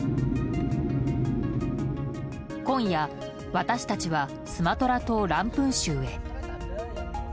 今夜、私たちはスマトラ島ランプン州へ。